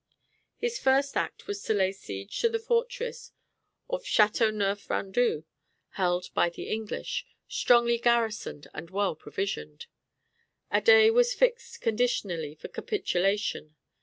His first act was to lay siege to the fortress of Châteauneuf Randou, held by the English, strongly garrisoned and well provisioned. A day was fixed conditionally for capitulation.